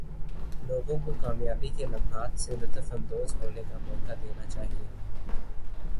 لوگوں کو کامیابی کے لمحات سے لطف اندواز ہونے کا موقع دینا چاہئے